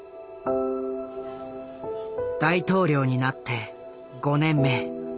大統領になって５年目。